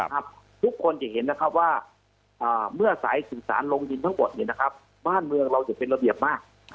ทุกคนจะเห็นนะครับว่าเมื่อสายสื่อสารลงดินทั้งหมดบ้านเมืองเราจะเป็นระเบียบมาก